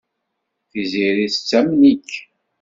Tiziri tettamen-ik.